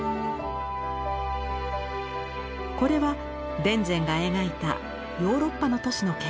これは田善が描いたヨーロッパの都市の景観です。